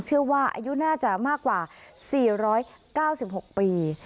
เชื่อว่าอายุน่าจะมากกว่า๔๙๖ปี